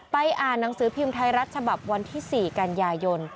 อ่านหนังสือพิมพ์ไทยรัฐฉบับวันที่๔กันยายน